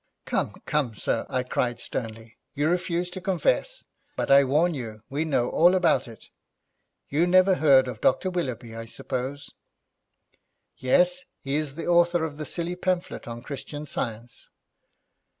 'Come, come, sir,' I cried sternly, 'you refuse to confess, but I warn you we know all about it. You never heard of Dr. Willoughby, I suppose?' 'Yes, he is the author of the silly pamphlet on Christian Science.'